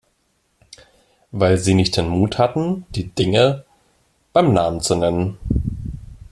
Weil Sie nicht den Mut hatten, die Dinge beim Namen zu nennen.